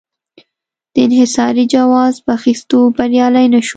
د انحصاري جواز په اخیستو بریالی نه شو.